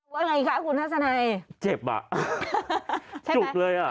ว่าไงคะคุณทัศนัยเจ็บอ่ะเจ็บจุกเลยอ่ะ